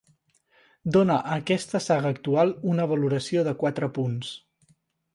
Dona a aquesta saga actual una valoració de quatre punts.